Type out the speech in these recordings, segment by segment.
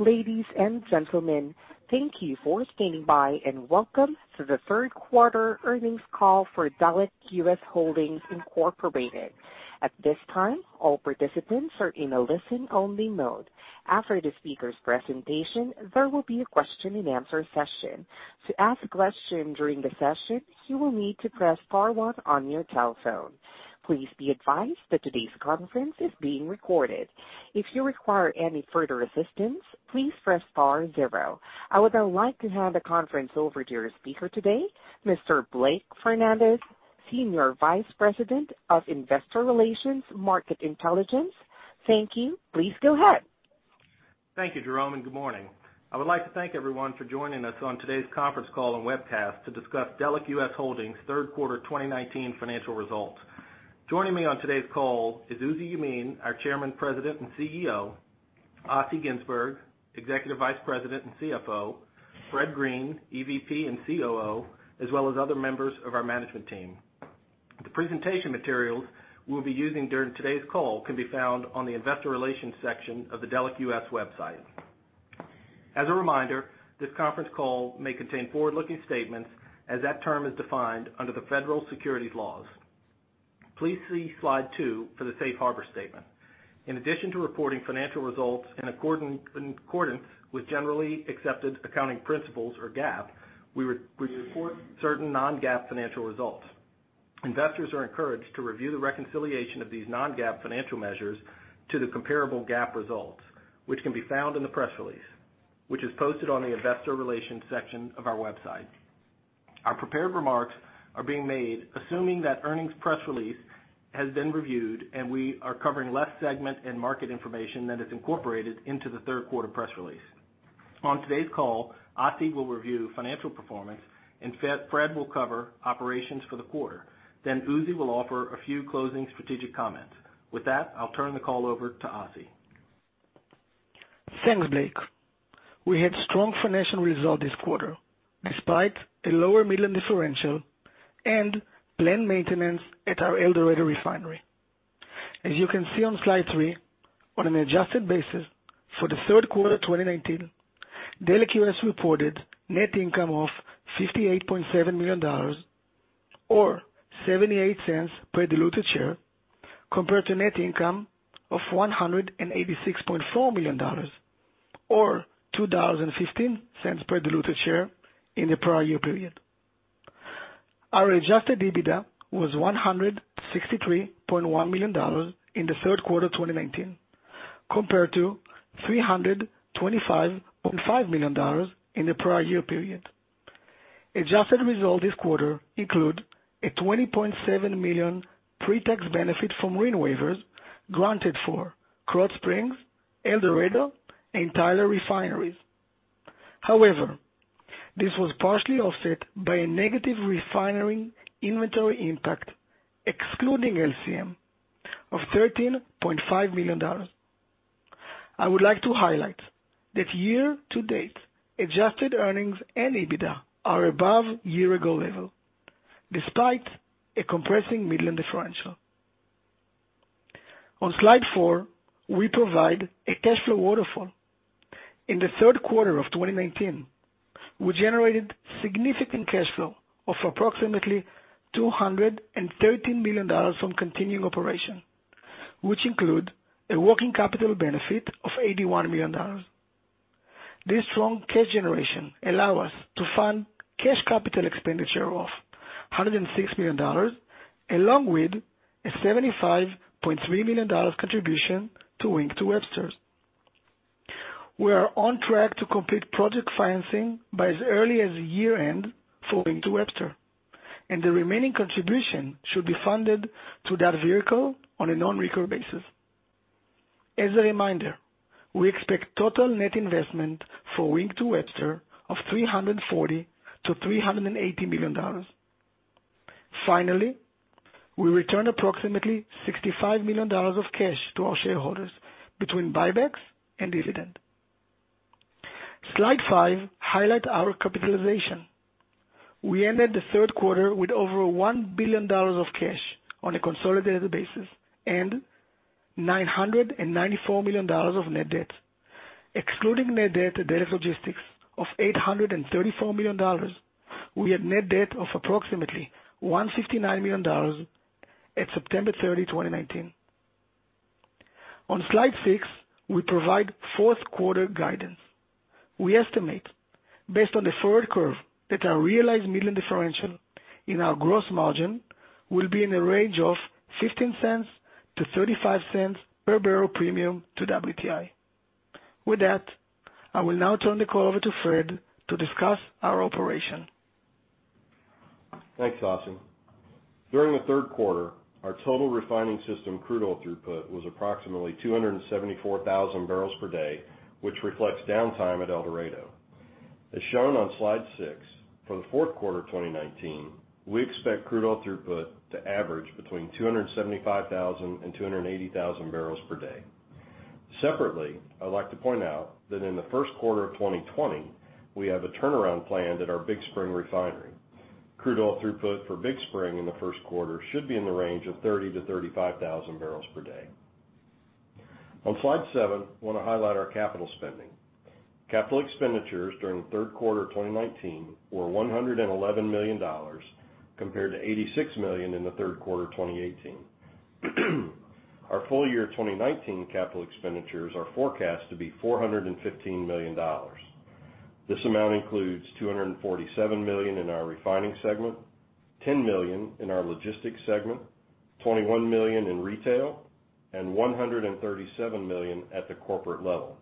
Ladies and gentlemen, thank you for standing by, and welcome to the third quarter earnings call for Delek US Holdings, Inc. At this time, all participants are in a listen-only mode. After the speaker's presentation, there will be a question and answer session. To ask a question during the session, you will need to press star one on your telephone. Please be advised that today's conference is being recorded. If you require any further assistance, please press star zero. I would now like to hand the conference over to your speaker today, Mr. Blake Fernandez, Senior Vice President of Investor Relations Market Intelligence. Thank you. Please go ahead. Thank you, Jerome. Good morning. I would like to thank everyone for joining us on today's conference call and webcast to discuss Delek US Holdings' third quarter 2019 financial results. Joining me on today's call is Uzi Yemin, our Chairman, President, and CEO, Assi Ginzburg, Executive Vice President and CFO, Fred Green, EVP and COO, as well as other members of our management team. The presentation materials we'll be using during today's call can be found on the investor relations section of the Delek US website. As a reminder, this conference call may contain forward-looking statements as that term is defined under the Federal Securities laws. Please see slide two for the safe harbor statement. In addition to reporting financial results in accordance with Generally Accepted Accounting Principles, or GAAP, we report certain non-GAAP financial results. Investors are encouraged to review the reconciliation of these non-GAAP financial measures to the comparable GAAP results, which can be found in the press release, which is posted on the investor relations section of our website. Our prepared remarks are being made assuming that earnings press release has been reviewed, and we are covering less segment and market information than is incorporated into the third quarter press release. On today's call, Assi will review financial performance and Fred will cover operations for the quarter. Uzi will offer a few closing strategic comments. With that, I'll turn the call over to Assi. Thanks, Blake. We had strong financial results this quarter, despite a lower Midland differential and planned maintenance at our El Dorado refinery. As you can see on slide three, on an adjusted basis for the third quarter 2019, Delek US reported net income of $58.7 million, or $0.78 per diluted share, compared to net income of $186.4 million or $2.15 per diluted share in the prior year period. Our adjusted EBITDA was $163.1 million in the third quarter 2019, compared to $325.5 million in the prior year period. Adjusted results this quarter include a $20.7 million pre-tax benefit from RIN waivers granted for Krotz Springs, El Dorado, and Tyler refineries. However, this was partially offset by a negative refinery inventory impact excluding LCM of $13.5 million. I would like to highlight that year-to-date adjusted earnings and EBITDA are above year-ago level, despite a compressing Midland differential. On slide four, we provide a cash flow waterfall. In the third quarter of 2019, we generated significant cash flow of approximately $213 million from continuing operation, which include a working capital benefit of $81 million. This strong cash generation allow us to fund cash capital expenditure of $106 million, along with a $75.3 million contribution to Wink to Webster. We are on track to complete project financing by as early as year-end for Wink to Webster, the remaining contribution should be funded to that vehicle on a non-recourse basis. As a reminder, we expect total net investment for Wink to Webster of $340 million-$380 million. Finally, we returned approximately $65 million of cash to our shareholders between buybacks and dividend. Slide five highlight our capitalization. We ended the third quarter with over $1 billion of cash on a consolidated basis and $994 million of net debt. Excluding net debt at Delek Logistics of $834 million, we had net debt of approximately $159 million at September 30, 2019. On slide six, we provide fourth quarter guidance. We estimate, based on the forward curve, that our realized Midland differential in our gross margin will be in a range of $0.15-$0.35 per barrel premium to WTI. With that, I will now turn the call over to Fred to discuss our operation. Thanks, Assi. During the third quarter, our total refining system crude oil throughput was approximately 274,000 barrels per day, which reflects downtime at El Dorado. As shown on slide six, for the fourth quarter 2019, we expect crude oil throughput to average between 275,000 and 280,000 barrels per day. Separately, I'd like to point out that in the first quarter of 2020, we have a turnaround planned at our Big Spring refinery. Crude oil throughput for Big Spring in the first quarter should be in the range of 30,000 to 35,000 barrels per day. On slide seven, I want to highlight our capital spending. Capital expenditures during the third quarter of 2019 were $111 million, compared to $86 million in the third quarter of 2018. Our full year 2019 capital expenditures are forecast to be $415 million. This amount includes $247 million in our refining segment, $10 million in our logistics segment, $21 million in retail, and $137 million at the corporate level.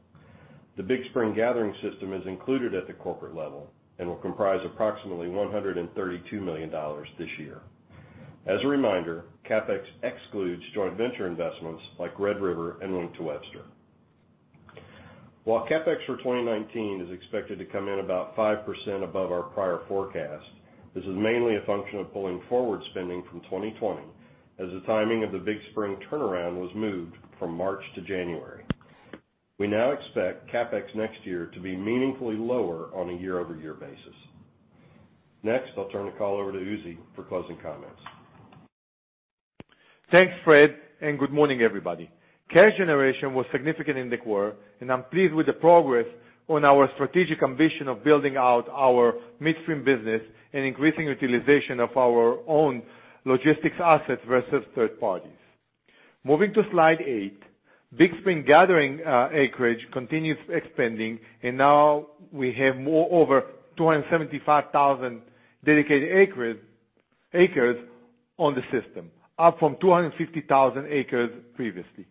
The Big Spring Gathering System is included at the corporate level, and will comprise approximately $132 million this year. As a reminder, CapEx excludes joint venture investments like Red River and Wink to Webster. While CapEx for 2019 is expected to come in about 5% above our prior forecast, this is mainly a function of pulling forward spending from 2020, as the timing of the Big Spring turnaround was moved from March to January. We now expect CapEx next year to be meaningfully lower on a year-over-year basis. Next, I'll turn the call over to Uzi for closing comments. Thanks, Fred. Good morning, everybody. Cash generation was significant in the quarter. I'm pleased with the progress on our strategic ambition of building out our midstream business and increasing utilization of our own logistics assets versus third parties. Moving to slide eight. Big Spring Gathering acreage continues expanding. Now we have more over 275,000 dedicated acres on the system, up from 250,000 acres previously.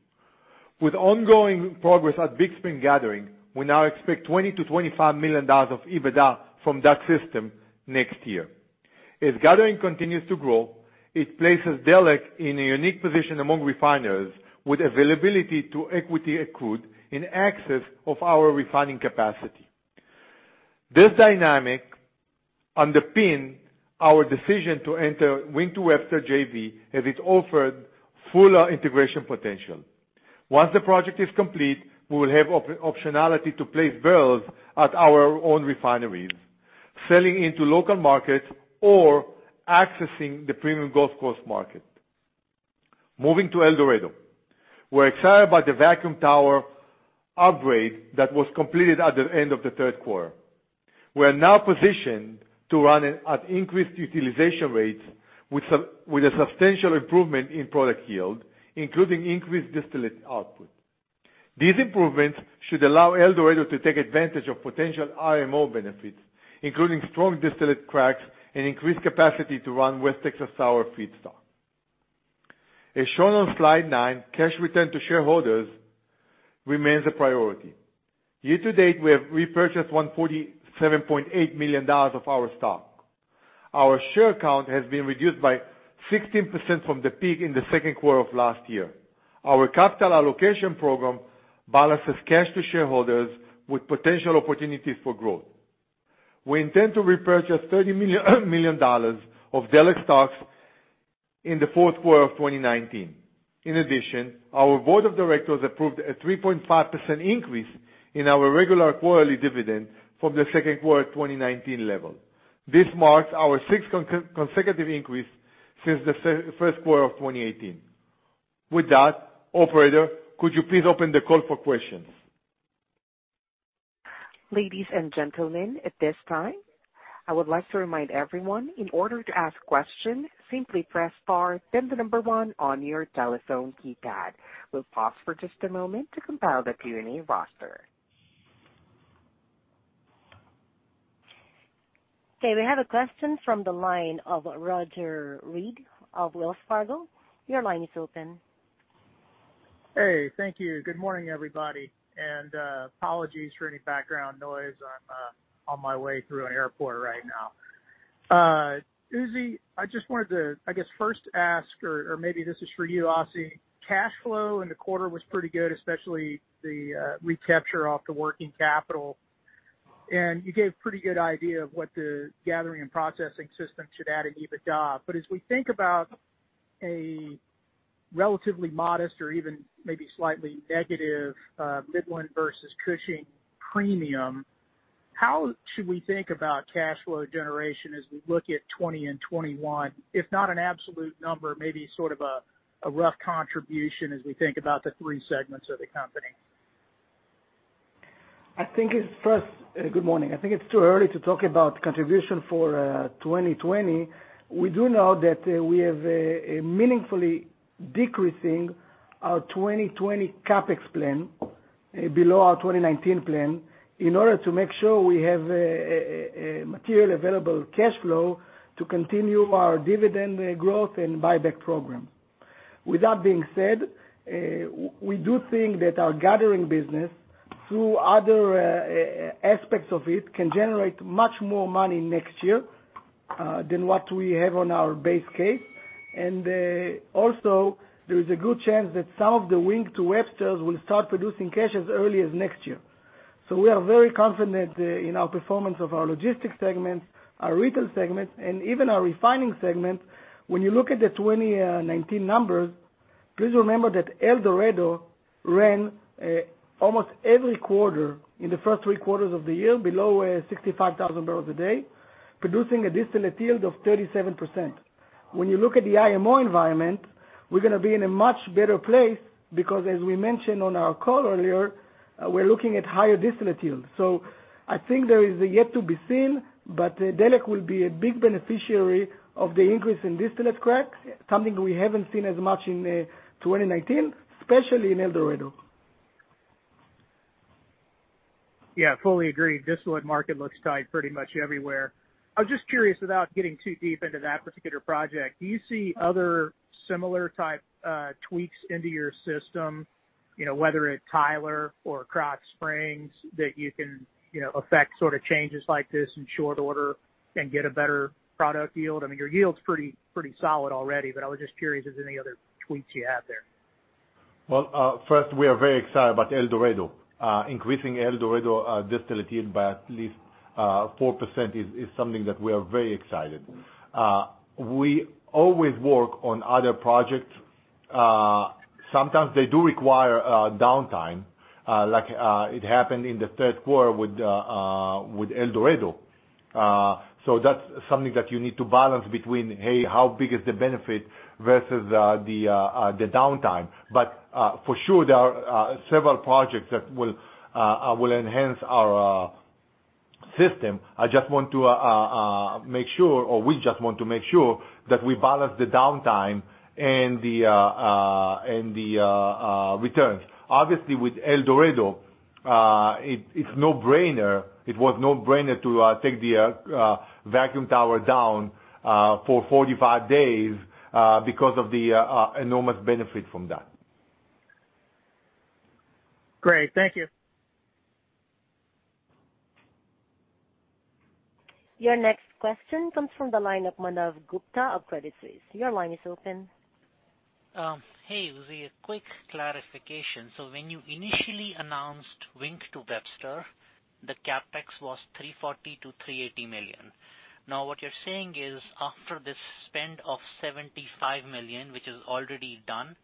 With ongoing progress at Big Spring Gathering, we now expect $20 million-$25 million of EBITDA from that system next year. As gathering continues to grow, it places Delek in a unique position among refiners with availability to equity crude in excess of our refining capacity. This dynamic underpin our decision to enter Wink to Webster JV. It offered fuller integration potential. Once the project is complete, we will have optionality to place barrels at our own refineries, selling into local markets or accessing the premium Gulf Coast market. Moving to El Dorado. We're excited about the vacuum tower upgrade that was completed at the end of the third quarter. We're now positioned to run at increased utilization rates with a substantial improvement in product yield, including increased distillate output. These improvements should allow El Dorado to take advantage of potential IMO benefits, including strong distillate cracks and increased capacity to run West Texas sour feedstock. As shown on slide nine, cash return to shareholders remains a priority. Year to date, we have repurchased $147.8 million of our stock. Our share count has been reduced by 16% from the peak in the second quarter of last year. Our capital allocation program balances cash to shareholders with potential opportunities for growth. We intend to repurchase $30 million of Delek stocks in the fourth quarter of 2019. In addition, our board of directors approved a 3.5% increase in our regular quarterly dividend from the second quarter 2019 level. This marks our sixth consecutive increase since the first quarter of 2018. With that, operator, could you please open the call for questions? Ladies and gentlemen, at this time, I would like to remind everyone, in order to ask a question, simply press star then the number 1 on your telephone keypad. We'll pause for just a moment to compile the Q&A roster. Okay, we have a question from the line of Roger Read of Wells Fargo. Your line is open. Hey, thank you. Good morning, everybody. Apologies for any background noise. I am on my way through an airport right now. Uzi, I just wanted to, I guess, first ask, or maybe this is for you, Assi. Cash flow in the quarter was pretty good, especially the recapture off the working capital. You gave pretty good idea of what the gathering and processing system should add in EBITDA. As we think about a relatively modest or even maybe slightly negative Midland versus Cushing premium, how should we think about cash flow generation as we look at 2020 and 2021? If not an absolute number, maybe sort of a rough contribution as we think about the three segments of the company. Good morning. I think it's too early to talk about contribution for 2020. We do know that we have a meaningfully decreasing our 2020 CapEx plan below our 2019 plan in order to make sure we have a material available cash flow to continue our dividend growth and buyback program. With that being said, we do think that our gathering business, through other aspects of it, can generate much more money next year than what we have on our base case. There is a good chance that some of the Wink to Websters will start producing cash as early as next year. We are very confident in our performance of our logistics segment, our retail segment, and even our refining segment. When you look at the 2019 numbers. Please remember that El Dorado ran almost every quarter in the first three quarters of the year below 65,000 barrels a day, producing a distillate yield of 37%. When you look at the IMO environment, we're going to be in a much better place because, as we mentioned on our call earlier, we're looking at higher distillate yields. I think there is yet to be seen, but Delek will be a big beneficiary of the increase in distillate cracks, something we haven't seen as much in 2019, especially in El Dorado. Yeah, fully agree. Distillate market looks tight pretty much everywhere. I was just curious, without getting too deep into that particular project, do you see other similar type tweaks into your system, whether at Tyler or Krotz Springs, that you can affect changes like this in short order and get a better product yield? I mean, your yield's pretty solid already, but I was just curious if there's any other tweaks you have there. Well, first, we are very excited about El Dorado. Increasing El Dorado distillate yield by at least 4% is something that we are very excited. We always work on other projects. Sometimes they do require downtime, like it happened in the third quarter with El Dorado. That's something that you need to balance between, hey, how big is the benefit versus the downtime. For sure, there are several projects that will enhance our system. I just want to make sure, or we just want to make sure that we balance the downtime and the returns. Obviously, with El Dorado, it was no-brainer to take the vacuum tower down for 45 days, because of the enormous benefit from that. Great. Thank you. Your next question comes from the line of Manav Gupta of Credit Suisse. Your line is open. Hey, Uzi, a quick clarification. When you initially announced Wink to Webster, the CapEx was $340 million-$380 million. Now what you're saying is after this spend of $75 million, which is already done,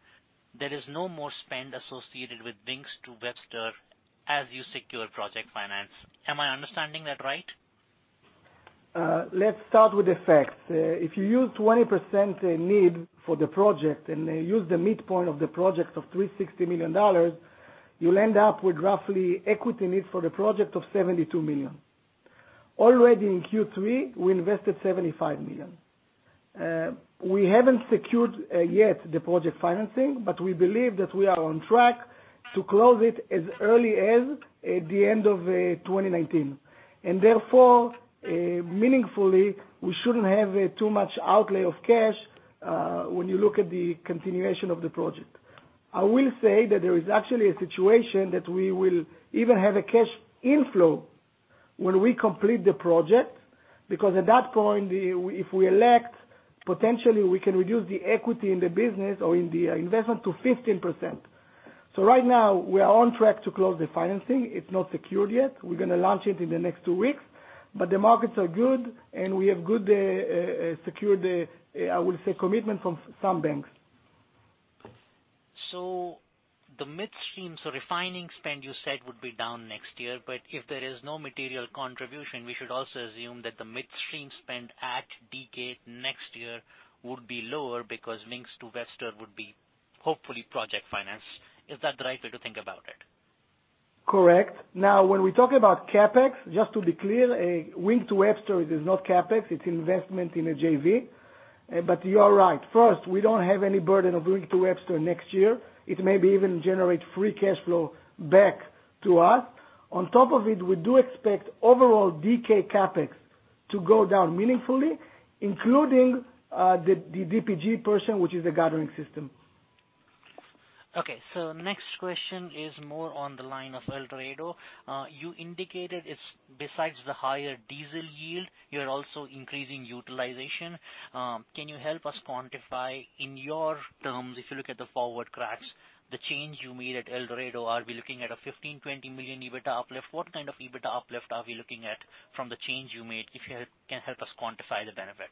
there is no more spend associated with Wink to Webster as you secure project finance. Am I understanding that right? Let's start with the facts. If you use 20% need for the project and use the midpoint of the project of $360 million, you'll end up with roughly equity needs for the project of $72 million. Already in Q3, we invested $75 million. We haven't secured yet the project financing, but we believe that we are on track to close it as early as the end of 2019. Therefore, meaningfully, we shouldn't have too much outlay of cash when you look at the continuation of the project. I will say that there is actually a situation that we will even have a cash inflow when we complete the project, because at that point, if we elect, potentially we can reduce the equity in the business or in the investment to 15%. Right now we are on track to close the financing. It's not secured yet. We're going to launch it in the next two weeks. The markets are good, and we have good, secured, I would say, commitment from some banks. The midstream, refining spend you said would be down next year. If there is no material contribution, we should also assume that the midstream spend at DK next year would be lower because Wink to Webster would be hopefully project finance. Is that the right way to think about it? Correct. When we talk about CapEx, just to be clear, Wink to Webster is not CapEx, it's investment in a JV. You are right. First, we don't have any burden of Wink to Webster next year. It may be even generate free cash flow back to us. On top of it, we do expect overall DK CapEx to go down meaningfully, including the DPG portion, which is the gathering system. Okay. Next question is more on the line of El Dorado. You indicated besides the higher diesel yield, you're also increasing utilization. Can you help us quantify in your terms, if you look at the forward cracks, the change you made at El Dorado? Are we looking at a $15 million-$20 million EBITDA uplift? What kind of EBITDA uplift are we looking at from the change you made, if you can help us quantify the benefit?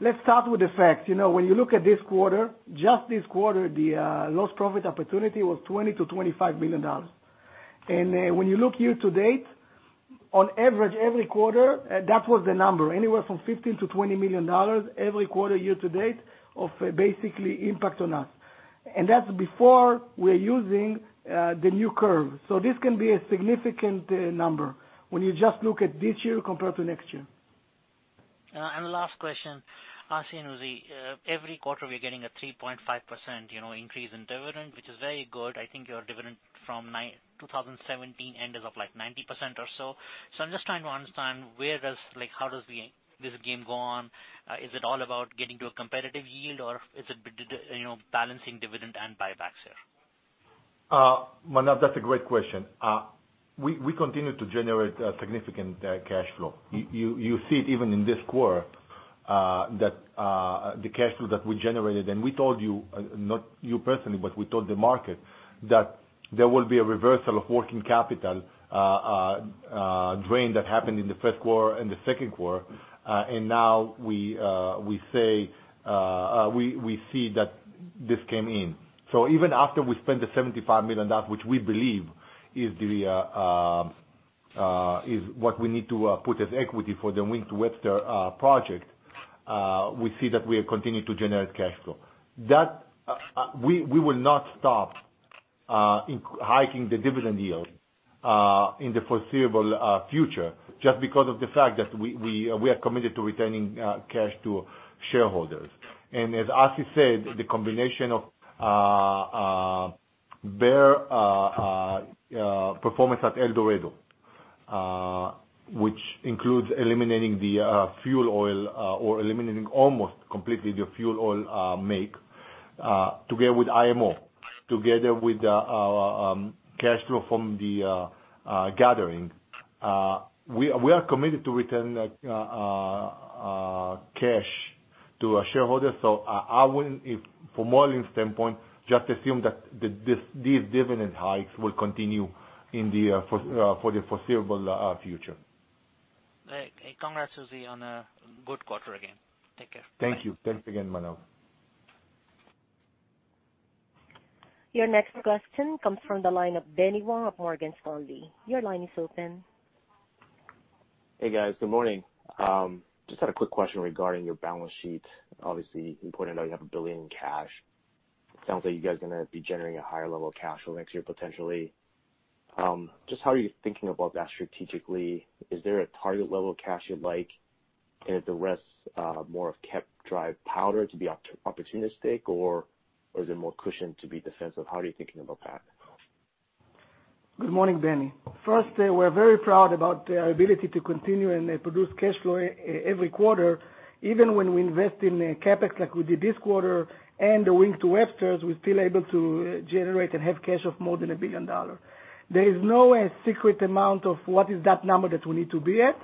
Let's start with the facts. When you look at this quarter, just this quarter, the lost profit opportunity was $20 to $25 million. When you look year to date, on average every quarter, that was the number, anywhere from $15 to $20 million every quarter year to date of basically impact on us. That's before we're using the new curve. This can be a significant number when you just look at this year compared to next year. Last question, asking Uzi, every quarter, we're getting a 3.5% increase in dividend, which is very good. I think your dividend from 2017 end is up like 90% or so. I'm just trying to understand how does this game go on? Is it all about getting to a competitive yield or is it balancing dividend and buyback share? Manav, that's a great question. We continue to generate significant cash flow. You see it even in this quarter, the cash flow that we generated, we told you, not you personally, but we told the market that there will be a reversal of working capital drain that happened in the first quarter and the second quarter. Now we see that this came in. Even after we spend the $75 million, that which we believe is what we need to put as equity for the Wink to Webster project, we see that we have continued to generate cash flow. We will not stop hiking the dividend yield in the foreseeable future, just because of the fact that we are committed to returning cash to shareholders. As Assi said, the combination of better performance at El Dorado, which includes eliminating the fuel oil or eliminating almost completely the fuel oil make, together with IMO, together with cash flow from the gathering. We are committed to return that cash to our shareholders. I wouldn't, from modeling standpoint, just assume that these dividend hikes will continue for the foreseeable future. Right. Congrats, Uzi, on a good quarter again. Take care. Bye. Thank you. Thanks again, Manav. Your next question comes from the line of Benny Wong of Morgan Stanley. Your line is open. Hey, guys. Good morning. Just had a quick question regarding your balance sheet. Obviously, important to know you have $1 billion in cash. Sounds like you guys are going to be generating a higher level of cash flow next year potentially. Just how are you thinking about that strategically? Is there a target level of cash you'd like? Is the rest more of kept dry powder to be opportunistic, or is it more cushion to be defensive? How are you thinking about that? Good morning, Benny. First, we're very proud about our ability to continue and produce cash flow every quarter. Even when we invest in CapEx like we did this quarter and the Wink to Webster, we're still able to generate and have cash of more than $1 billion. There is no secret amount of what is that number that we need to be at.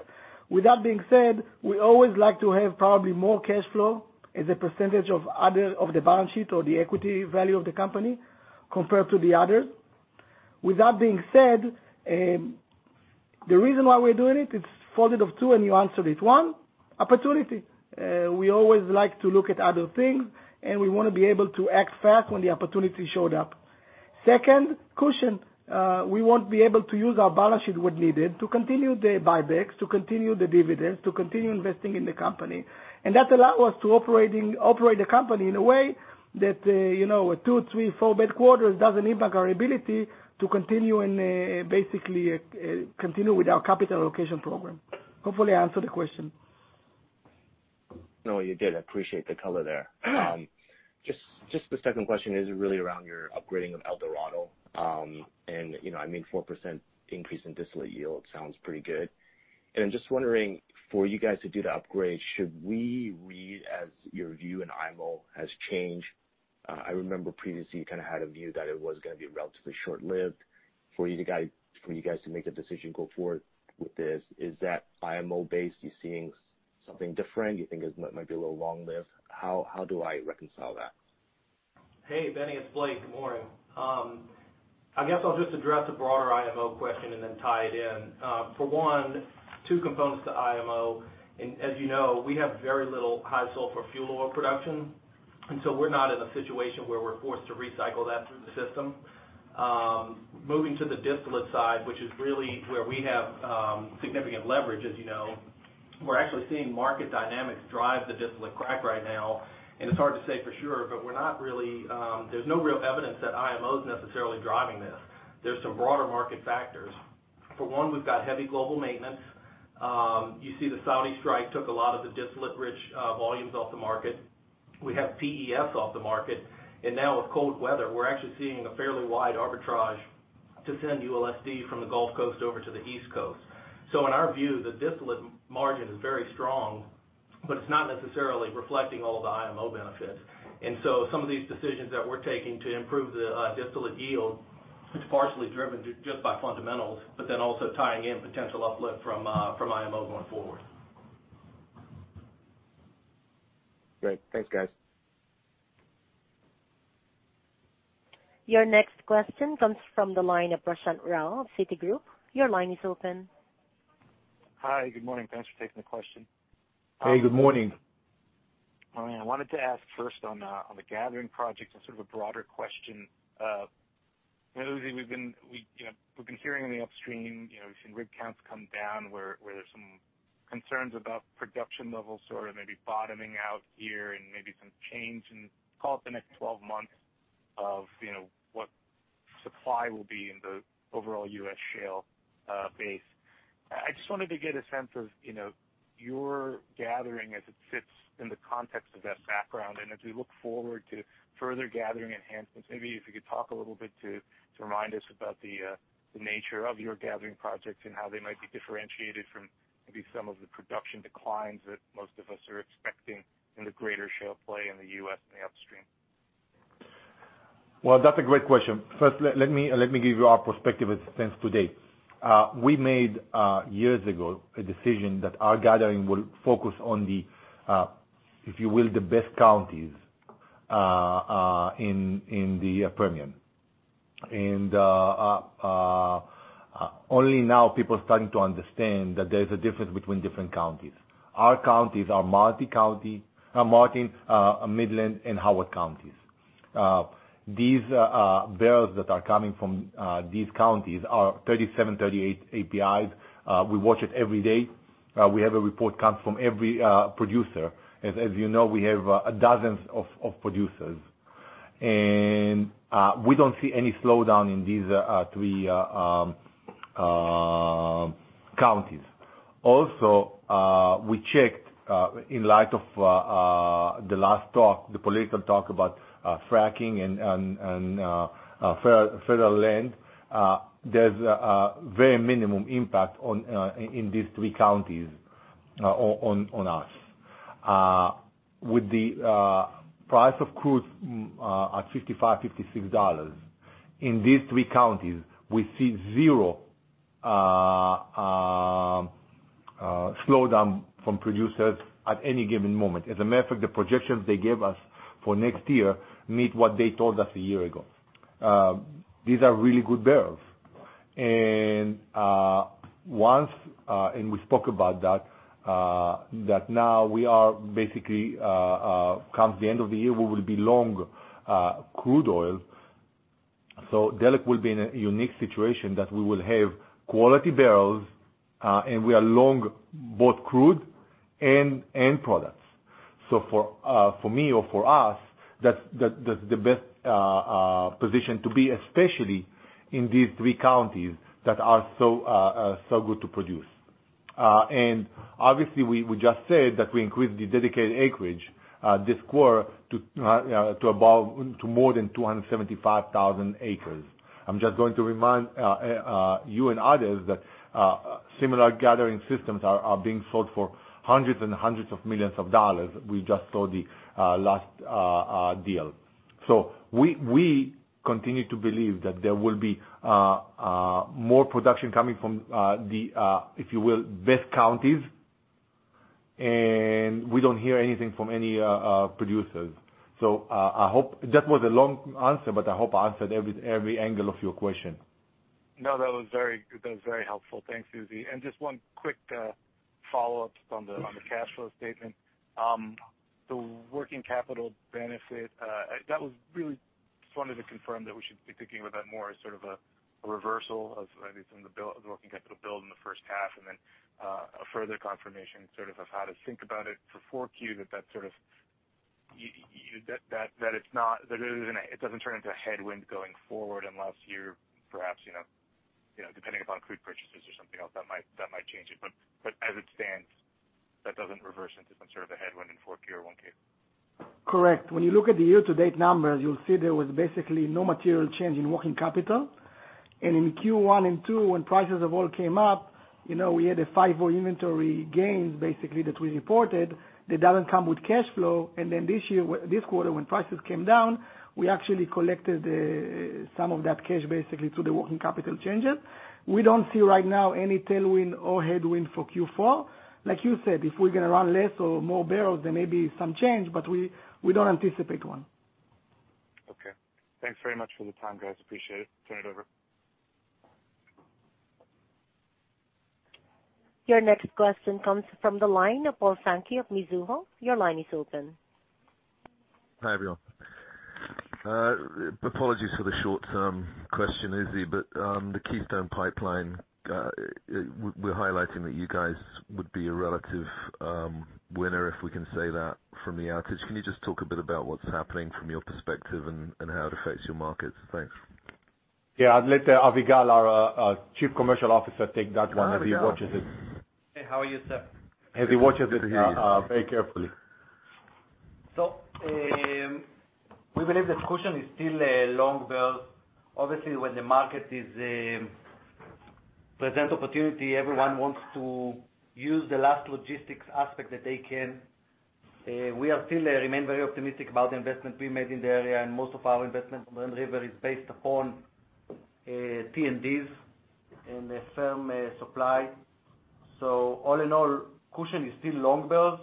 With that being said, we always like to have probably more cash flow as a percentage of the balance sheet or the equity value of the company compared to the others. With that being said, the reason why we're doing it's folded of two, and you answered it. One, opportunity. Second, cushion. We want be able to use our balance sheet when needed to continue the buybacks, to continue the dividends, to continue investing in the company. That allow us to operate the company in a way that two, three, four bad quarters doesn't impact our ability to basically continue with our capital allocation program. Hopefully, I answered the question. No, you did. I appreciate the color there. Just the second question is really around your upgrading of El Dorado. I mean, 4% increase in distillate yield sounds pretty good. I'm just wondering, for you guys to do the upgrade, should we read as your view in IMO has changed? I remember previously you kind of had a view that it was going to be relatively short-lived. For you guys to make a decision to go forward with this, is that IMO based, you're seeing something different, you think it might be a little long-lived? How do I reconcile that? Hey, Benny, it's Blake. Good morning. I guess I'll just address the broader IMO question and then tie it in. For one, two components to IMO, and as you know, we have very little high sulfur fuel oil production, and so we're not in a situation where we're forced to recycle that through the system. Moving to the distillate side, which is really where we have significant leverage as you know, we're actually seeing market dynamics drive the distillate crack right now, and it's hard to say for sure, but there's no real evidence that IMO is necessarily driving this. There's some broader market factors. For one, we've got heavy global maintenance. You see the Saudi strike took a lot of the distillate-rich volumes off the market. We have PES off the market, and now with cold weather, we're actually seeing a fairly wide arbitrage to send ULSD from the Gulf Coast over to the East Coast. In our view, the distillate margin is very strong, but it's not necessarily reflecting all of the IMO benefits. Some of these decisions that we're taking to improve the distillate yield is partially driven just by fundamentals, but then also tying in potential uplift from IMO going forward. Great. Thanks, guys. Your next question comes from the line of Prashant Rao of Citigroup. Your line is open. Hi. Good morning. Thanks for taking the question. Hey, good morning. All right. I wanted to ask first on the gathering project and sort of a broader question. Uzi, we've been hearing in the upstream, we've seen rig counts come down where there's some concerns about production levels sort of maybe bottoming out here and maybe some change in, call it the next 12 months, of what supply will be in the overall U.S. shale base. I just wanted to get a sense of your gathering as it sits in the context of that background, and as we look forward to further gathering enhancements, maybe if you could talk a little bit to remind us about the nature of your gathering projects and how they might be differentiated from maybe some of the production declines that most of us are expecting in the greater shale play in the U.S. in the upstream. Well, that's a great question. First, let me give you our perspective as it stands today. We made, years ago, a decision that our gathering will focus on, if you will, the best counties in the Permian. Only now people are starting to understand that there's a difference between different counties. Our counties are Martin County, Martin, Midland, and Howard counties. These barrels that are coming from these counties are 37, 38 APIs. We watch it every day. We have a report comes from every producer. As you know, we have dozens of producers. We don't see any slowdown in these three counties. Also, we checked, in light of the last talk, the political talk about fracking and federal land, there's a very minimum impact in these three counties on us. With the price of crude at $55, $56, in these three counties, we see 0 slowdown from producers at any given moment. As a matter of fact, the projections they gave us for next year meet what they told us a year ago. These are really good barrels. We spoke about that now we are basically, come the end of the year, we will be long crude oil. Delek will be in a unique situation that we will have quality barrels, and we are long both crude and end products. For me or for us, that's the best position to be, especially in these three counties that are so good to produce. Obviously we just said that we increased the dedicated acreage this quarter to more than 275,000 acres. I'm just going to remind you and others that similar gathering systems are being sold for hundreds and hundreds of millions of dollars. We just saw the last deal. We continue to believe that there will be more production coming from the, if you will, best counties, and we don't hear anything from any producers. That was a long answer, but I hope I answered every angle of your question. No, that was very helpful. Thanks, Uzi. Just one quick follow-up on the cash flow statement. The working capital benefit, just wanted to confirm that we should be thinking of that more as sort of a reversal of maybe some of the working capital build in the first half, and then a further confirmation sort of how to think about it for 4Q, that it doesn't turn into a headwind going forward unless you're perhaps, depending upon crude purchases or something else that might change it. As it stands, that doesn't reverse into some sort of a headwind in 4Q or 1Q. Correct. When you look at the year-to-date numbers, you'll see there was basically no material change in working capital. In Q1 and Q2 when prices of oil came up, we had a FIFO inventory gains basically that we reported that doesn't come with cash flow. This quarter, when prices came down, we actually collected some of that cash basically through the working capital changes. We don't see right now any tailwind or headwind for Q4. Like you said, if we're going to run less or more barrels, there may be some change, but we don't anticipate one. Okay. Thanks very much for the time, guys. Appreciate it. Turn it over. Your next question comes from the line of Paul Sankey of Mizuho. Your line is open. Hi, everyone. Apologies for the short-term question, Uzi. The Keystone Pipeline, we're highlighting that you guys would be a relative winner, if we can say that, from the outage. Can you just talk a bit about what's happening from your perspective and how it affects your markets? Thanks. Yeah. I'll let Avigal, our Chief Commercial Officer, take that one as he watches it. Hey. How are you, sir? As he watches it very carefully. We believe that Cushing is still a long build. Obviously, when the market presents opportunity, everyone wants to use the last logistics aspect that they can. We still remain very optimistic about the investment we made in the area, and most of our investment from Red River is based upon P&Ds and a firm supply. All in all, Cushing is still long builds,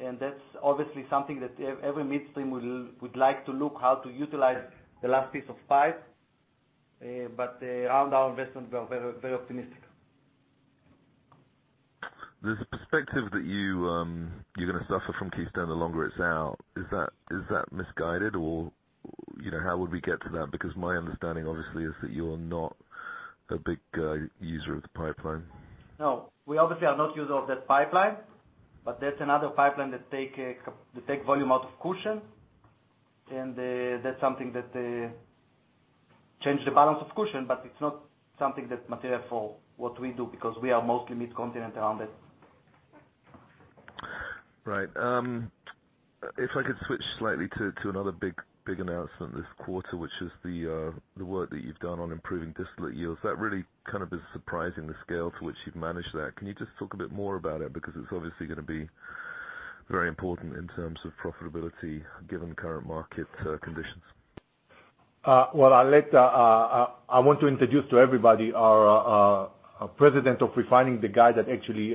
and that's obviously something that every midstream would like to look how to utilize the last piece of pipe. Around our investments, we are very optimistic. There's a perspective that you're going to suffer from Keystone the longer it's out. Is that misguided or how would we get to that? Because my understanding obviously is that you're not a big user of the pipeline. No. We obviously are not user of that pipeline, but there's another pipeline that take volume out of Cushing, and that's something that change the balance of Cushing, but it's not something that's material for what we do, because we are mostly mid-continent around it. If I could switch slightly to another big announcement this quarter, which is the work that you've done on improving distillate yields. That really kind of is surprising, the scale to which you've managed that. Can you just talk a bit more about it? Because it's obviously going to be very important in terms of profitability given current market conditions. Well, I want to introduce to everybody our President of Refining, the guy that actually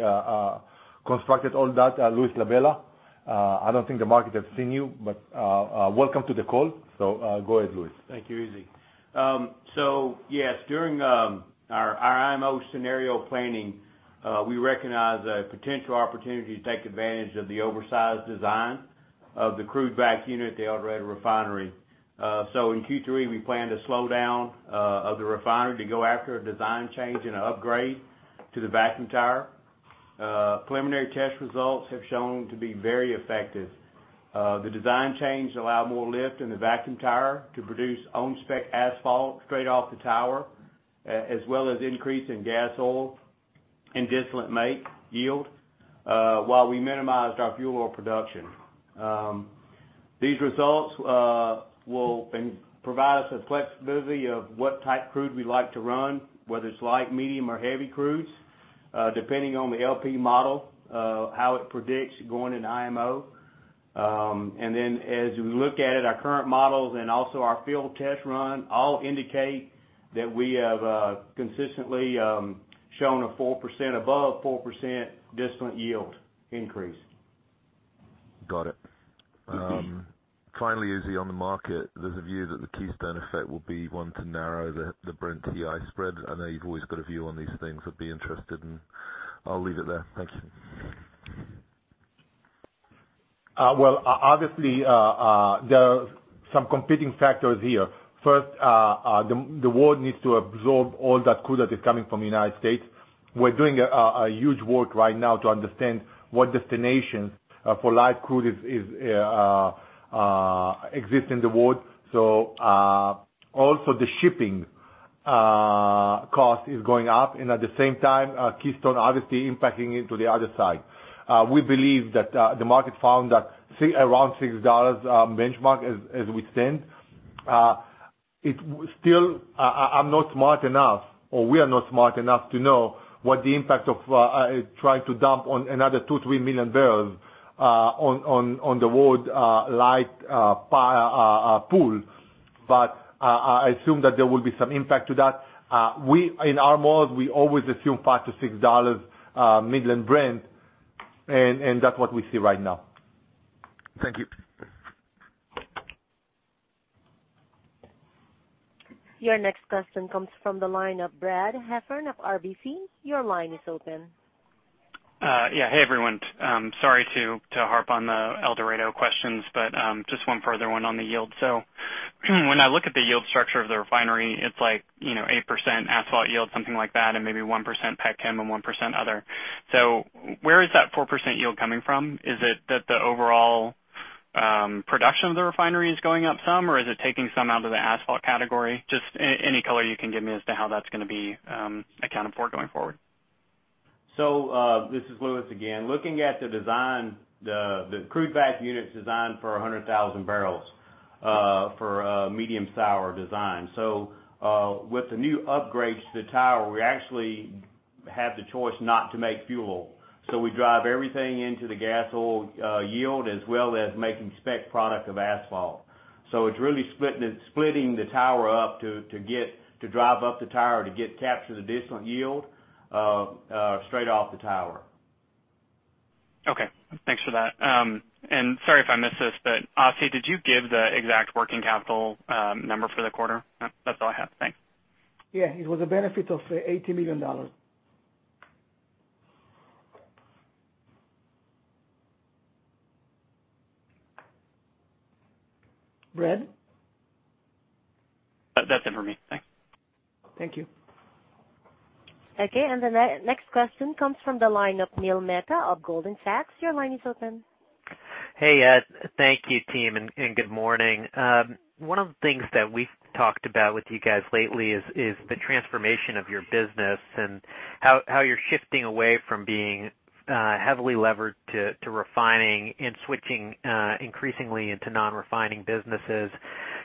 constructed all that, Louis LaBella. I don't think the market has seen you, but welcome to the call. Go ahead, Louis. Thank you, Uzi. Yes, during our IMO scenario planning, we recognized a potential opportunity to take advantage of the oversized design of the crude vac unit at the El Dorado refinery. In Q3, we plan to slow down the refinery to go after a design change and an upgrade to the vacuum tower. Preliminary test results have shown to be very effective. The design change allow more lift in the vacuum tower to produce own spec asphalt straight off the tower, as well as increase in gas oil and distillate make yield, while we minimized our fuel oil production. These results will provide us the flexibility of what type crude we like to run, whether it's light, medium or heavy crudes, depending on the LP model, how it predicts going into IMO. As we look at it, our current models and also our field test run all indicate that we have consistently shown above 4% distillate yield increase. Got it. Finally, Uzi, on the market, there's a view that the Keystone effect will be one to narrow the Brent WTI spread. I know you've always got a view on these things. I'll leave it there. Thank you. Obviously, there are some competing factors here. First, the world needs to absorb all that crude that is coming from the U.S. We're doing huge work right now to understand what destinations for light crude exist in the world. Also the shipping cost is going up and at the same time, Keystone obviously impacting into the other side. We believe that the market found that around $6 benchmark as we stand. Still, I'm not smart enough, or we are not smart enough to know what the impact of trying to dump on another two, three million barrels on the world light pool. I assume that there will be some impact to that. In our model, we always assume $5-$6 Midland-Brent, and that's what we see right now. Thank you. Your next question comes from the line of Brad Heffern of RBC. Your line is open. Yeah. Hey, everyone. Sorry to harp on the El Dorado questions, but just one further one on the yield. When I look at the yield structure of the refinery, it's like 8% asphalt yield, something like that, and maybe 1% petchem and 1% other. Where is that 4% yield coming from? Is it that the overall production of the refinery is going up some or is it taking some out of the asphalt category? Just any color you can give me as to how that's gonna be accounted for going forward. This is Louis again. Looking at the design, the crude vac unit's designed for 100,000 barrels, for medium sour design. With the new upgrades to the tower, we actually have the choice not to make fuel. We drive everything into the gas oil yield, as well as making spec product of asphalt. It's really splitting the tower up to drive up the tower to capture the distillate yield straight off the tower. Okay. Thanks for that. Sorry if I missed this, but Assi, did you give the exact working capital number for the quarter? That's all I have. Thanks. Yeah. It was a benefit of $80 million. Brad? That's it for me. Thanks. Thank you. Okay, the next question comes from the line of Neil Mehta of Goldman Sachs. Your line is open. Hey. Thank you, team, and good morning. One of the things that we've talked about with you guys lately is the transformation of your business and how you're shifting away from being heavily levered to refining and switching increasingly into non-refining businesses.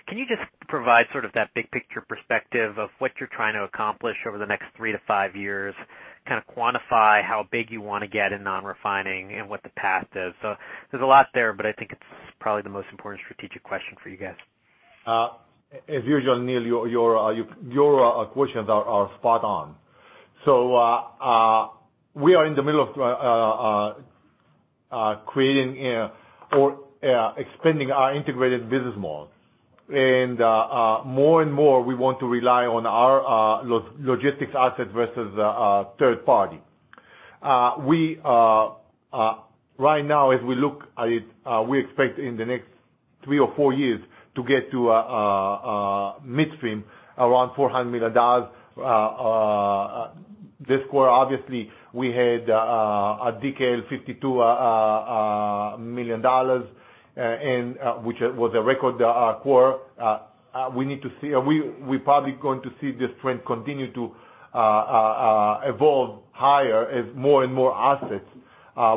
Can you just provide sort of that big picture perspective of what you're trying to accomplish over the next three to five years? Kind of quantify how big you want to get in non-refining and what the path is. There's a lot there, but I think it's probably the most important strategic question for you guys. As usual, Neil, your questions are spot on. We are in the middle of creating or expanding our integrated business model. More and more, we want to rely on our logistics asset versus third party. Right now, as we look at it, we expect in the next three or four years to get to midstream around $400 million. This quarter, obviously, we had a decline of $52 million, which was a record quarter. We're probably going to see this trend continue to evolve higher as more and more assets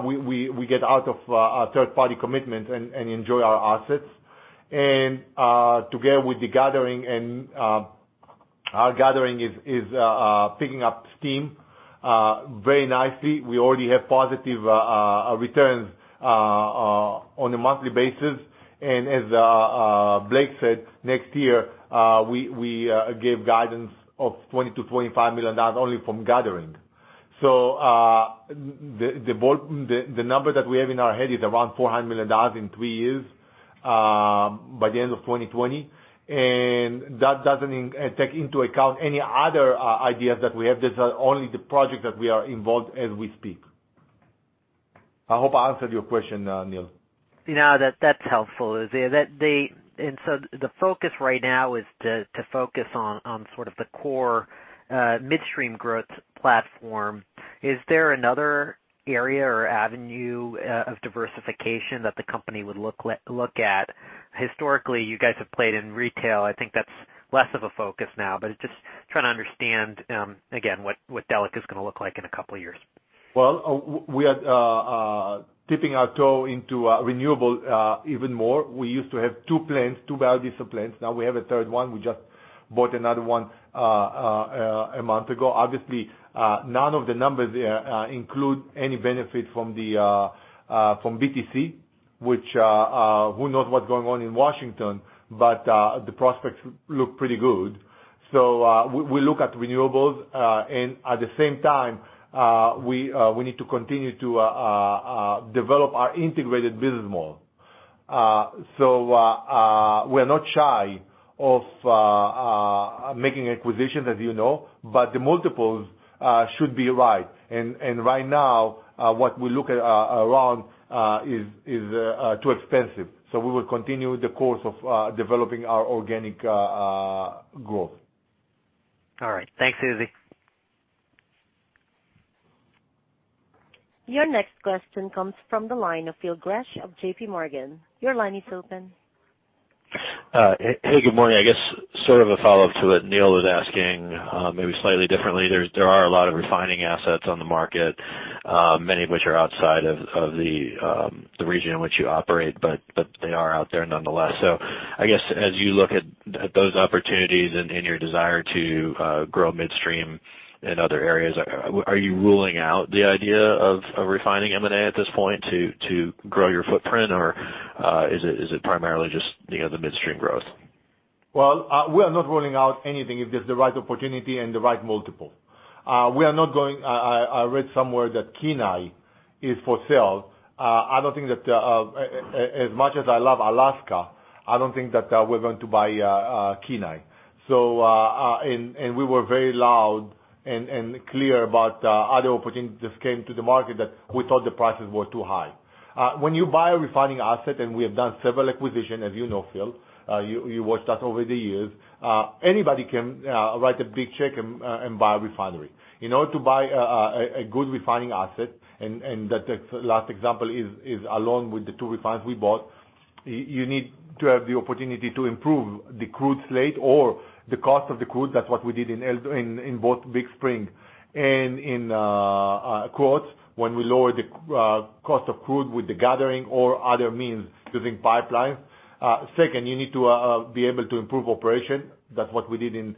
we get out of our third party commitment and enjoy our assets. Together with the gathering, our gathering is picking up steam very nicely. We already have positive returns on a monthly basis. As Blake said, next year, we gave guidance of $20 million-$25 million only from gathering. The number that we have in our head is around $400 million in three years, [by the end of 2020]. That doesn't take into account any other ideas that we have. These are only the projects that we are involved as we speak. I hope I answered your question, Neil. Yeah. That's helpful, Uzi. The focus right now is to focus on sort of the core midstream growth platform. Is there another area or avenue of diversification that the company would look at? Historically, you guys have played in retail. I think that's less of a focus now, but just trying to understand, again, what Delek is going to look like in a couple of years. We are dipping our toe into renewables, even more. We used to have two plants, two value disciplines. Now we have a third one. We just bought another one a month ago. Obviously, none of the numbers include any benefit from BTC, which who knows what's going on in Washington. The prospects look pretty good. We look at renewables. At the same time, we need to continue to develop our integrated business model. We're not shy of making acquisitions, as you know. The multiples should be right. Right now, what we look at around is too expensive. We will continue the course of developing our organic growth. All right. Thanks, Uzi. Your next question comes from the line of Phil Gresh of JP Morgan. Your line is open. Hey, good morning. I guess sort of a follow-up to what Neil was asking, maybe slightly differently. There are a lot of refining assets on the market, many of which are outside of the region in which you operate, but they are out there nonetheless. I guess as you look at those opportunities and your desire to grow midstream in other areas, are you ruling out the idea of refining M&A at this point to grow your footprint, or is it primarily just the other midstream growth? Well, we are not ruling out anything if it's the right opportunity and the right multiple. I read somewhere that Kenai is for sale. As much as I love Alaska, I don't think that we're going to buy Kenai. We were very loud and clear about other opportunities came to the market that we thought the prices were too high. When you buy a refining asset, and we have done several acquisitions, as you know, Phil, you watched us over the years. Anybody can write a big check and buy a refinery. In order to buy a good refining asset, and that last example is along with the two refineries we bought. You need to have the opportunity to improve the crude slate or the cost of the crude. That's what we did in both Big Spring. In Krotz Springs, when we lowered the cost of crude with the gathering or other means using pipelines. Second, you need to be able to improve operation. That's what we did in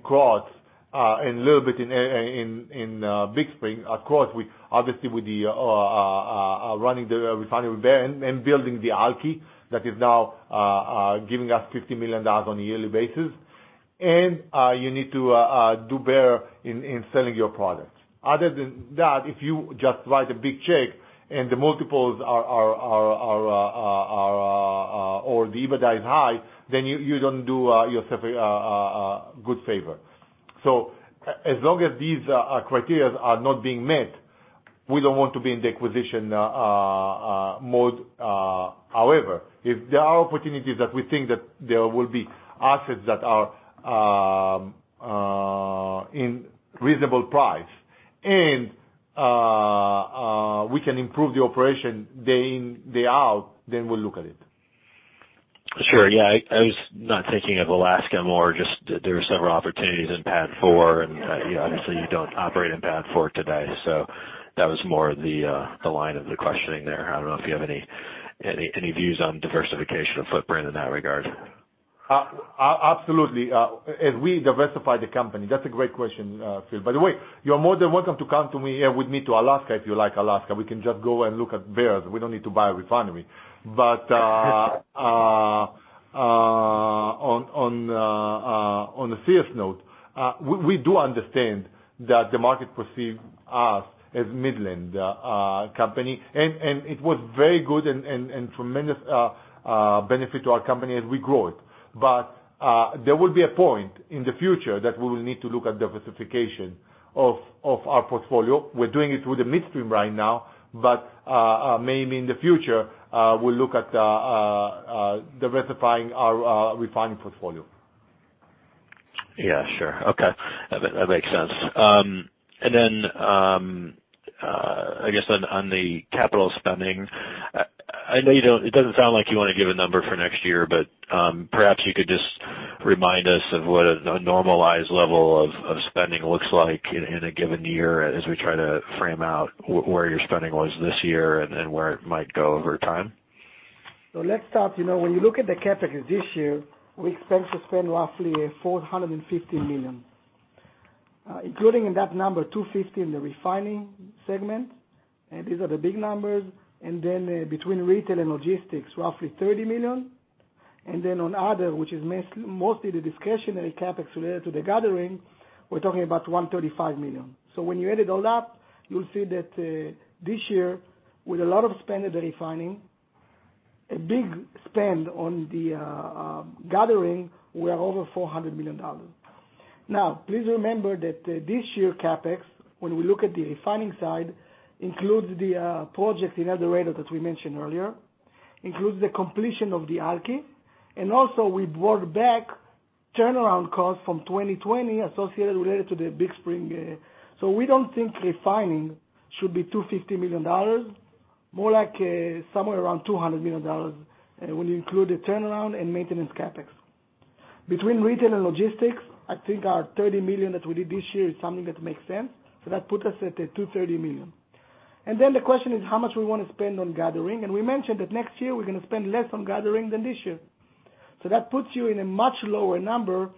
Krotz Springs, and a little bit in Big Spring. Of course, obviously with the running the refinery there and building the Alky that is now giving us $50 million on a yearly basis. You need to do better in selling your products. Other than that, if you just write a big check and the multiples or the EBITDA is high, then you don't do yourself a good favor. As long as these criteria are not being met, we don't want to be in the acquisition mode. If there are opportunities that we think that there will be assets that are in reasonable price, and we can improve the operation day in, day out, then we'll look at it. Sure. Yeah. I was not thinking of Alaska more, just there are several opportunities in PADD IV. Obviously, you don't operate in PADD IV today. That was more the line of the questioning there. I don't know if you have any views on diversification of footprint in that regard. Absolutely. As we diversify the company. That's a great question, Phil. By the way, you're more than welcome to come with me to Alaska, if you like Alaska. We can just go and look at bears. We don't need to buy a refinery. On a serious note, we do understand that the market perceives us as Midland company, and it was very good and tremendous benefit to our company as we grow it. There will be a point in the future that we will need to look at diversification of our portfolio. We're doing it with the midstream right now, but maybe in the future, we'll look at diversifying our refining portfolio. Yeah, sure. Okay. That makes sense. I guess on the capital spending, I know it doesn't sound like you want to give a number for next year, but perhaps you could just remind us of what a normalized level of spending looks like in a given year as we try to frame out where your spending was this year and where it might go over time. Let's start. When you look at the CapEx this year, we expect to spend roughly $450 million. Including in that number, $250 million in the refining segment. These are the big numbers. Between retail and logistics, roughly $30 million. On other, which is mostly the discretionary CapEx related to the gathering, we're talking about $135 million. When you add it all up, you'll see that, this year, with a lot of spend at the refining, a big spend on the gathering, we are over $400 million. Now, please remember that this year's CapEx, when we look at the refining side, includes the project in El Dorado that we mentioned earlier. Includes the completion of the Alky. Also we brought back turnaround costs from 2020 associated related to the Big Spring. We don't think refining should be $250 million. More like somewhere around $200 million, when you include the turnaround and maintenance CapEx. Between retail and logistics, I think our $30 million that we did this year is something that makes sense. That puts us at $230 million. The question is how much we want to spend on gathering. We mentioned that next year we're going to spend less on gathering than this year. That puts you in a much lower number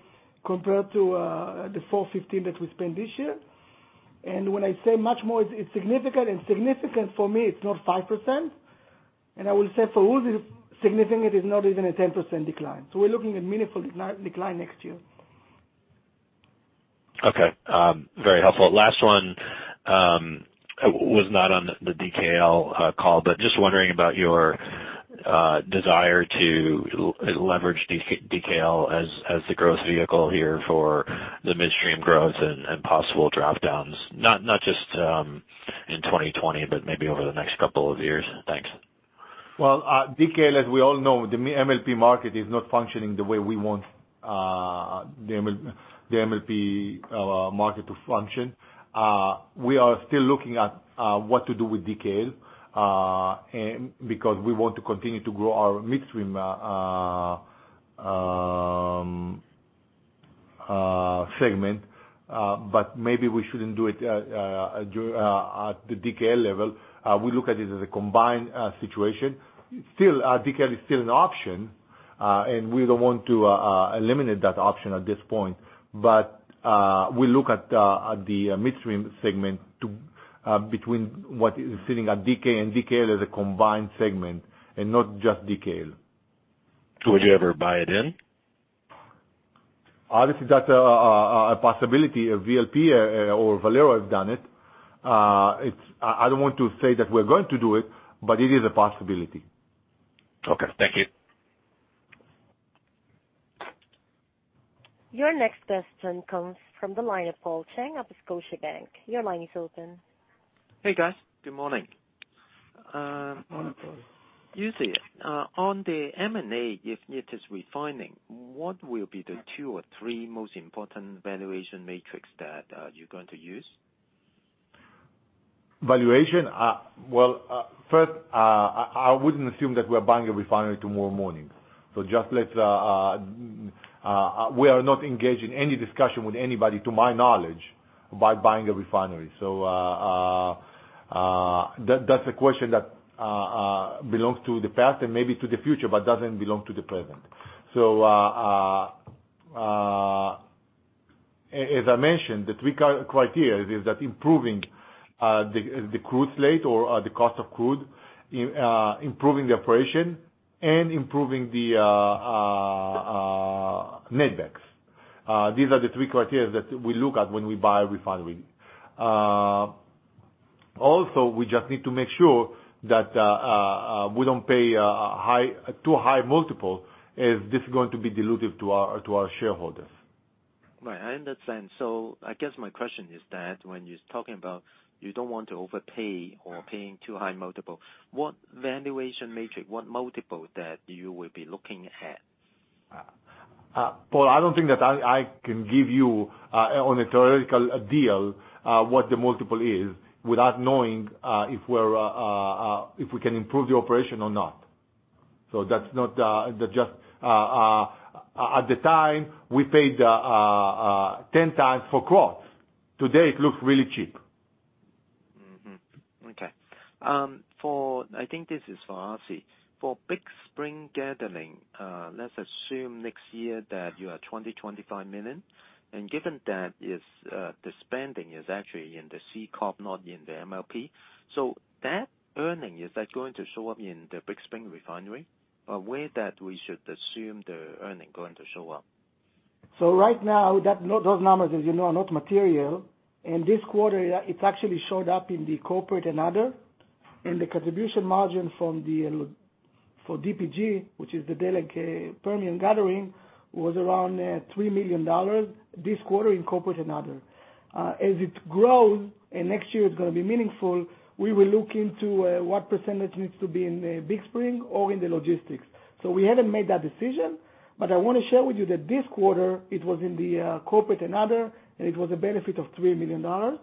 compared to the $415 million that we spent this year. When I say much more, it's significant. Significant for me, it's not 5%. I will say for us, it is significant is not even a 10% decline. We're looking at meaningful decline next year. Okay. Very helpful. Last one, was not on the DKL call, but just wondering about your desire to leverage DKL as the growth vehicle here for the midstream growth and possible drop-downs. Not just in 2020, but maybe over the next couple of years. Thanks. Well, DKL, as we all know, the MLP market is not functioning the way we want the MLP market to function. We are still looking at what to do with DKL, because we want to continue to grow our midstream segment. Maybe we shouldn't do it at the DKL level. We look at it as a combined situation. DKL is still an option, and we don't want to eliminate that option at this point. We look at the midstream segment between what is sitting at DK and DKL as a combined segment and not just DKL. Would you ever buy it in? That's a possibility. VLP or Valero have done it. I don't want to say that we're going to do it, but it is a possibility. Okay. Thank you. Your next question comes from the line of Paul Cheng of Scotiabank. Your line is open. Hey, guys. Good morning. Morning, Paul. Uzi, on the M&A, if it is refining, what will be the two or three most important valuation metrics that you're going to use? Valuation? Well, first, I wouldn't assume that we're buying a refinery tomorrow morning. We are not engaged in any discussion with anybody, to my knowledge, about buying a refinery. That's a question that belongs to the past and maybe to the future, but doesn't belong to the present. As I mentioned, the three criteria is that improving the crude slate or the cost of crude, improving the operation, and improving the midstream economics. These are the three criteria that we look at when we buy a refinery. Also, we just need to make sure that we don't pay too high multiple if this is going to be dilutive to our shareholders. Right. I understand. I guess my question is that when you're talking about you don't want to overpay or paying too high multiple, what valuation metric, what multiple that you will be looking at? Paul, I don't think that I can give you, on a theoretical deal, what the multiple is without knowing if we can improve the operation or not. At the time, we paid 10 times for growth. Today, it looks really cheap. Mm-hmm. Okay. I think this is for Assi. For Big Spring Gathering, let's assume next year that you are $20 million, $25 million. Given that the spending is actually in the C corp, not in the MLP. That earning, is that going to show up in the Big Spring refinery? Where that we should assume the earning going to show up? Right now, those numbers, as you know, are not material. In this quarter, it actually showed up in the corporate and other. The contribution margin for DPG, which is the Delek Permian Gathering, was around $3 million this quarter in corporate and other. As it grows, and next year it's going to be meaningful, we will look into what percentage needs to be in Big Spring or in the logistics. We haven't made that decision, but I want to share with you that this quarter it was in the corporate and other, and it was a benefit of $3 million.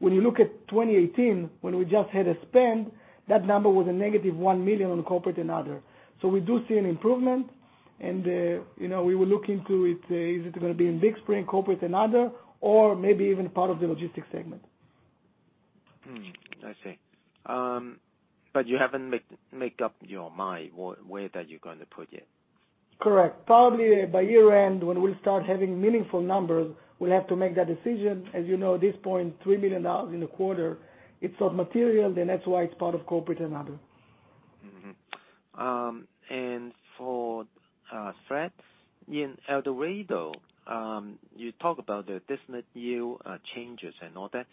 When you look at 2018, when we just had a spend, that number was a negative $1 million on corporate and other. We do see an improvement, and we will look into it. Is it going to be in Big Spring corporate and other or maybe even part of the Logistics segment? I see. You haven't make up your mind where that you're going to put it? Correct. Probably by year-end, when we'll start having meaningful numbers, we'll have to make that decision. As you know, at this point, $3 million in a quarter, it's not material, and that's why it's part of corporate and other. For Fred. In El Dorado, you talk about the different yield changes and all that.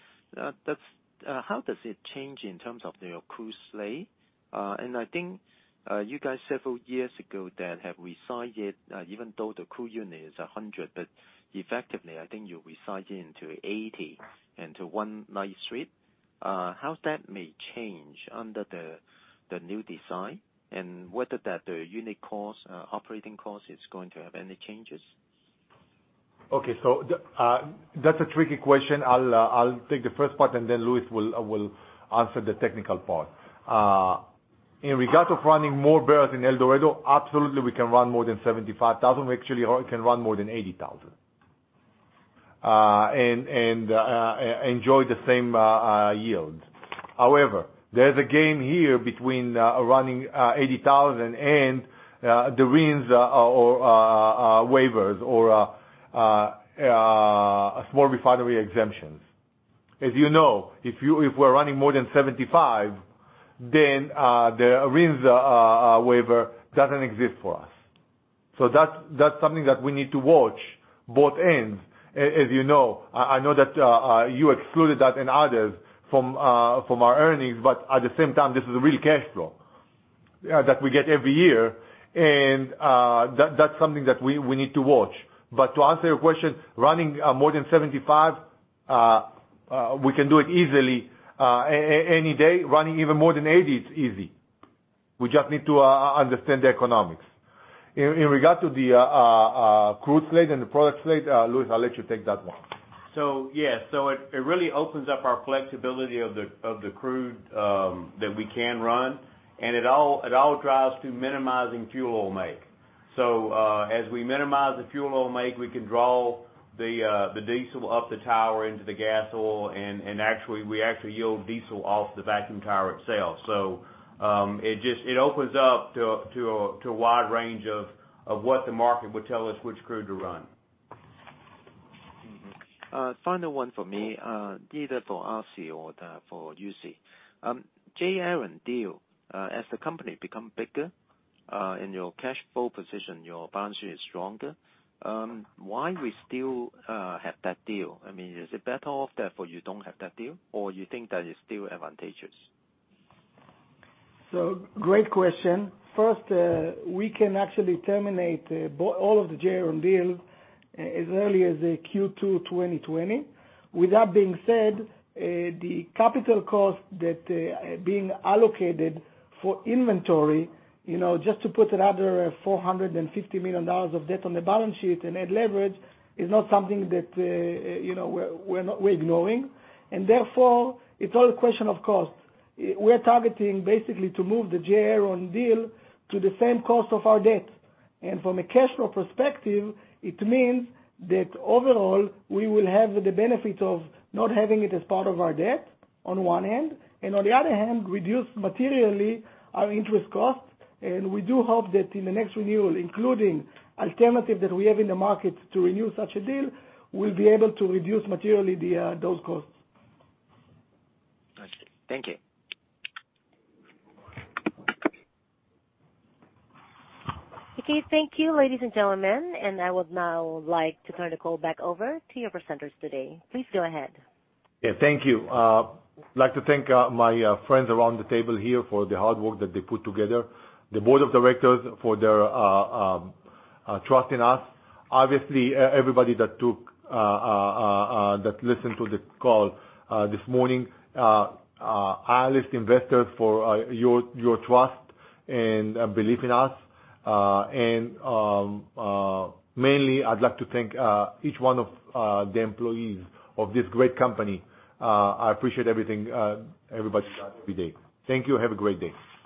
How does it change in terms of your crude slate? I think you guys several years ago that have re-sized it, even though the crude unit is 100, effectively, I think you re-sized into 80 and to one light sweet. How that may change under the new design, whether that unit operating cost is going to have any changes? Okay. That's a tricky question. I'll take the first part, and then Louis will answer the technical part. In regard to running more barrels in El Dorado, absolutely we can run more than 75,000. We actually can run more than 80,000. Enjoy the same yield. However, there's a game here between running 80,000 and the RINs, or waivers, or small refinery exemptions. As you know, if we're running more than 75, then the RINs waiver doesn't exist for us. That's something that we need to watch both ends. As you know, I know that you excluded that in others from our earnings, but at the same time, this is a real cash flow that we get every year. That's something that we need to watch. To answer your question, running more than 75, we can do it easily any day. Running even more than 80, it's easy. We just need to understand the economics. In regard to the crude slate and the product slate, Louis, I'll let you take that one. Yeah. It really opens up our flexibility of the crude that we can run, and it all drives to minimizing fuel oil make. As we minimize the fuel oil make, we can draw the diesel up the tower into the gas oil, and we actually yield diesel off the vacuum tower itself. It opens up to a wide range of what the market would tell us which crude to run. Final one for me. Either for Assi or for you, Uzi. J. Aron deal. As the company become bigger, and your cash flow position, your balance sheet is stronger, why we still have that deal? I mean, is it better off that you don't have that deal, or you think that it's still advantageous? Great question. First, we can actually terminate all of the J. Aron deal as early as Q2 2020. With that being said, the capital cost that being allocated for inventory, just to put another $450 million of debt on the balance sheet and add leverage is not something that we're ignoring. Therefore, it's all a question of cost. We're targeting basically to move the J. Aron deal to the same cost of our debt. From a cash flow perspective, it means that overall, we will have the benefit of not having it as part of our debt on one hand, and on the other hand, reduce materially our interest cost. We do hope that in the next renewal, including alternative that we have in the market to renew such a deal, we'll be able to reduce materially those costs. I see. Thank you. Okay. Thank you, ladies and gentlemen. I would now like to turn the call back over to your presenters today. Please go ahead. Yeah, thank you. I'd like to thank my friends around the table here for the hard work that they put together, the board of directors for their trust in us. Obviously, I'd like to thank everybody that listened to the call this morning. I'd like to thank our list investors for your trust and belief in us. Mainly, I'd like to thank each one of the employees of this great company. I appreciate everybody's hard work every day. Thank you. Have a great day.